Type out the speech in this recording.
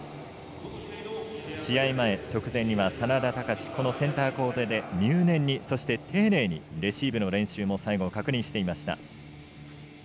試合前、直前には眞田卓センターコートで入念に、丁寧にレシーブの練習も最後に確認していました。